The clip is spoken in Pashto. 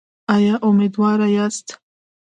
ایا امیدواره یاست؟